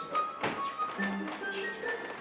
tidak ada kesalahan mpok